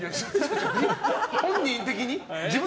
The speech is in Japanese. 本人的に？